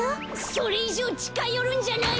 それいじょうちかよるんじゃない！